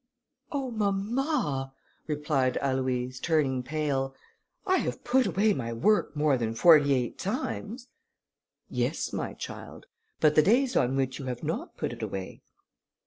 "Oh, mamma," replied Aloïse, turning pale, "I have put away my work more than forty eight times." "Yes, my child, but the days on which you have not put it away?"